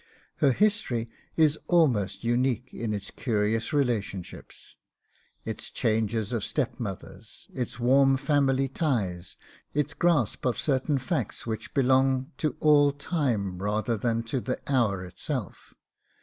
Her history is almost unique in its curious relationships; its changes of step mothers, its warm family ties, its grasp of certain facts which belong to all time rather than to the hour itself.